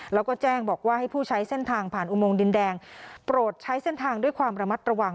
แล้วก็แจ้งบอกว่าให้ผู้ใช้เส้นทางผ่านอุโมงดินแดงโปรดใช้เส้นทางด้วยความระมัดระวัง